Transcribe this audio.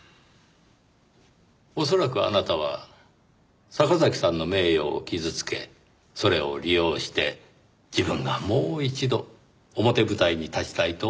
恐らくあなたは坂崎さんの名誉を傷つけそれを利用して自分がもう一度表舞台に立ちたいと思った。